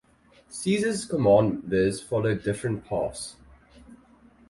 Caesar's commanders followed different paths.